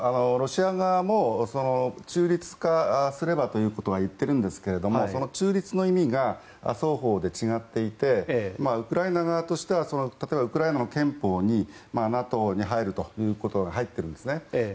ロシア側も中立化すればということは言っているんですが中立の意味が双方で違っていてウクライナ側としては例えば、ウクライナの憲法にＮＡＴＯに入るということが入っているんですね。